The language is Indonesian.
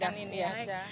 dan ini aja